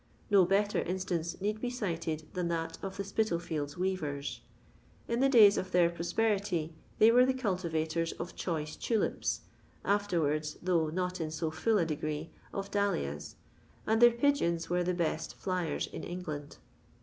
No better instance need be cited than that of the Spitalfields weavers. In the days of their prosperity they were the cultivaton of choice tulips, afterwards, though not in so full a degree, of dahlias, and their pigeons were the best '*fliefB" in Bngland.